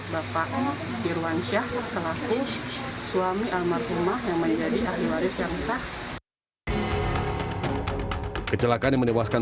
bapak irwansyah selaku suami almarhumah yang menjadi ahli waris yang sah kecelakaan yang menewaskan